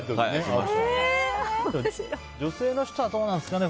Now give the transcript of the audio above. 女性の人はどうなんですかね